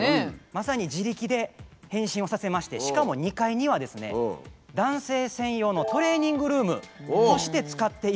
まさに自力で変身をさせましてしかも２階には男性専用のトレーニングルームとして使っているみたいでして。